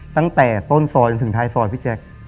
ตั้งแต่ต้นซอยจนถึงท้ายซอยพี่แจ๊ค